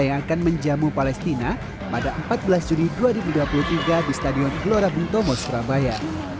yang akan menjamu palestina pada empat belas juni dua ribu dua puluh tiga di stadion gelora bung tomo surabaya